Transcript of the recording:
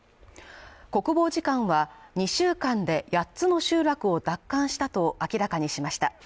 国防次官は２週間で八つの集落を奪還したと明らかにしました。